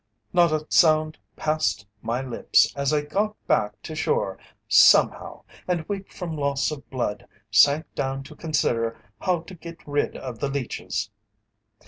Not a sound passed my lips as I got back to shore, somehow, and, weak from loss of blood, sank down to consider how to get rid of the leeches.